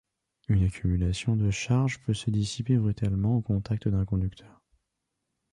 Une accumulation de charges peut se dissiper brutalement au contact d'un conducteur.